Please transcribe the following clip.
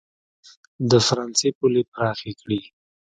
د فرانسې پولې پراخې کړي.